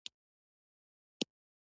د شپې خوب نه راتلو.